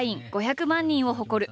５００万人を誇る。